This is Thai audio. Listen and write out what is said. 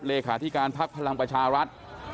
เหลศธิการภักดิ์พระรัมประชาวัทธ์